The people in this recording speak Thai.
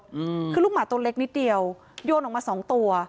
อืมคือลูกหมาตัวเล็กนิดเดียวโยนออกมาสองตัว